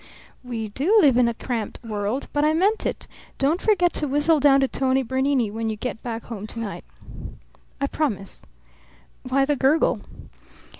"We do live in a cramped world. But I meant it. Don't forget to whistle down to Tony Bernini when you get back home to night." "I promise. "Why the gurgle?"